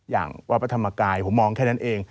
อย่างวัดพระธรรมกายผมมองแค่นั้นเอง